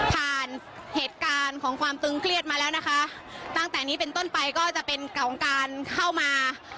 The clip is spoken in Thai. ผ่านเหตุการณ์ของความตึงเครียดมาแล้วนะคะตั้งแต่นี้เป็นต้นไปก็จะเป็นเก่าของการเข้ามา